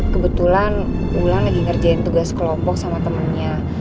kebetulan pulang lagi ngerjain tugas kelompok sama temennya